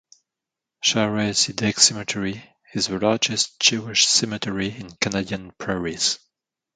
Shaarey Zedek Cemetery is the largest Jewish cemetery in the Canadian Prairies.